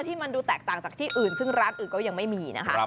ที่มันดูแตกต่างจากที่อื่นซึ่งร้านอื่นก็ยังไม่มีนะคะ